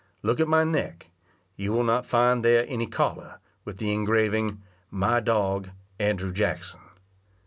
Look at my neck, you will not find there any collar, with the engraving MY DOG. ANDREW JACKSON.